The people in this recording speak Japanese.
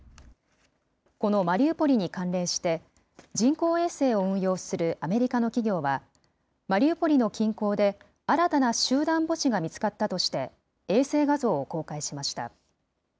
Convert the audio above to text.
このマリウポリに関連して、人工衛星を運用するアメリカの企業は、マリウポリの近郊で、新たな集団墓地が見つかったとして、衛星画像を公開しました。